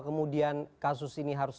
kemudian kasus ini harus